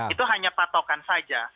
itu hanya patokan saja